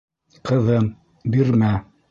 Ҡыҙым, бирмә!